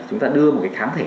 chúng ta đưa một cái khám thể